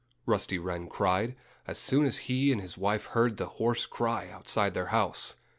Rusty Wren cried, as soon as he and his wife heard the hoarse cry outside their house.